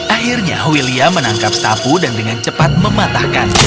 akhirnya william menangkap sapu dan dengan cepat mematahkan